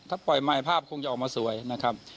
ถ้าปล่อยมายภาพคงจะออกมาสวยนะครับ